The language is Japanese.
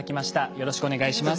よろしくお願いします。